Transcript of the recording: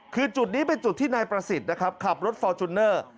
คือจุดนี้เป็นจุดที่นายประสิทธิ์นะครับขับรถฟอร์จูเนอร์